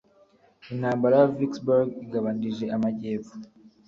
intambara ya vicksburg igabanije amajyepfo